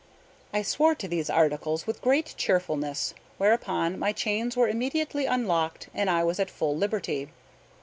I swore to these articles with great cheerfulness, whereupon my chains were immediately unlocked, and I was at full liberty.